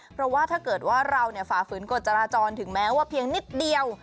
เพราะว่าถ้าเกิดว่าเราฝ่าฝืนกฎจราจรถึงแม้ว่าเพียงนิดเดียว